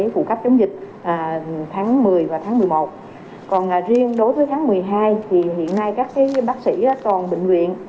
cung cấp chống dịch tháng một mươi và tháng một mươi một còn riêng đối với tháng một mươi hai thì hiện nay các bác sĩ toàn bệnh viện